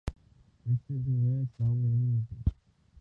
بیشتر دنیائے اسلام میں نہیں ملتی۔